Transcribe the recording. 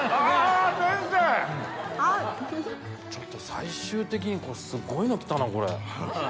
最終的にすごいの来たなこれ。